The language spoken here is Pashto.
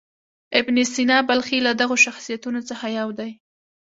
ابن سینا بلخي له دغو شخصیتونو څخه یو دی.